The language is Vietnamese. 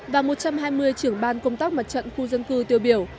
và một trăm hai mươi trưởng ban công tác mặt trận khu dân cư tiêu biểu